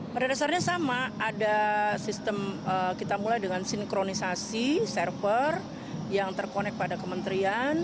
pada dasarnya sama ada sistem kita mulai dengan sinkronisasi server yang terkonek pada kementerian